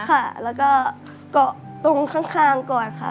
ค่ะแล้วก็เกาะตรงข้างก่อนค่ะ